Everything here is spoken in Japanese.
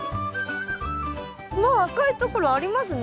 もう赤いところありますね。